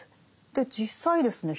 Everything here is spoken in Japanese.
で実際ですね